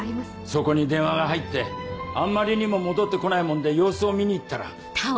そこに電話が入ってあんまりにも戻って来ないもんで様子を見に行ったら。